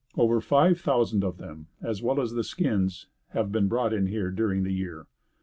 Over five thousand of them, as well as the skins have been brought in here during the year."